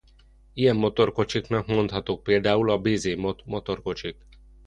Ilyen motorkocsiknak mondhatók például a Bzmot motorkocsik.